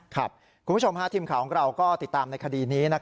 คุณผู้ชมทีมข่าวของเราก็ติดตามในคดีนี้